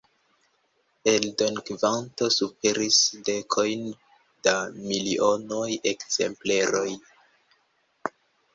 Eldonkvanto superis dekojn da milionoj ekzempleroj.